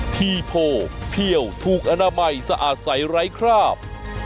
ทีโพเพี่ยวถูกอนามัยสะอาดใสไร้คราบ